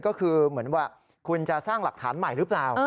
ก็คือเหมือนว่าคุณจะสร้างหลักฐานใหม่หรือเปล่า